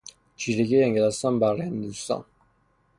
چیرگی انگلستان بر هندوستان